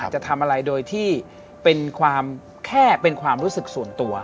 จะทำอะไรโดยที่เป็นความแค่เป็นความรู้สึกส่วนตัว